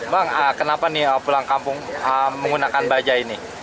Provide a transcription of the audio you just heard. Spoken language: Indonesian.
bang kenapa pulang kampung menggunakan bajai